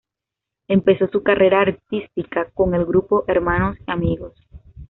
Empezó su carrera artística con el grupo "Hermanos y Amigos".